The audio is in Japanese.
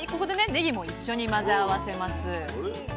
ねぎも一緒に混ぜ合わせます。